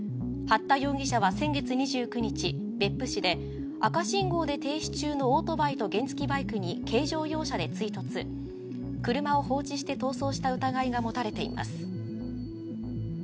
八田容疑者は先月２９日、別府市で赤信号で停止中のオートバイと原付バイクに軽乗用車で追突、車を放置して逃走した疑いが持たれています。